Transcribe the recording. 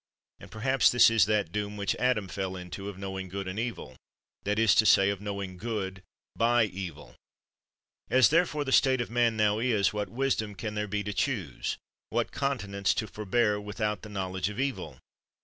And perhaps this is that doom which Adam fell into of knowing good and evil — that is to say, of knowing good by evil. As, therefore, the state of man now is, what wisdom can there be to choose, what continence to forbear without the knowledge of evil?